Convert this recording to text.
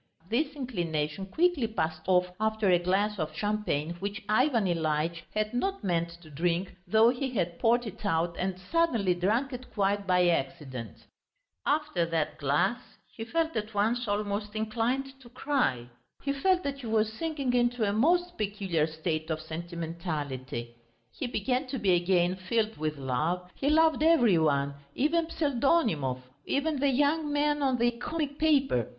This inclination quickly passed off after a glass of champagne which Ivan Ilyitch had not meant to drink, though he had poured it out and suddenly drunk it quite by accident. After that glass he felt at once almost inclined to cry. He felt that he was sinking into a most peculiar state of sentimentality; he began to be again filled with love, he loved every one, even Pseldonimov, even the young man on the comic paper.